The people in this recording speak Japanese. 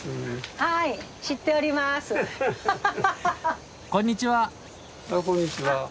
あっこんにちは。